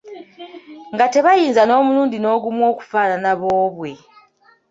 Nga tebayinza n‘omulundi n‘ogumu kufaanana boobwe.